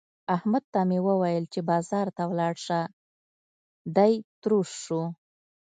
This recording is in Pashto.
احمد ته مې وويل چې بازار ته ولاړ شه؛ دی تروش شو.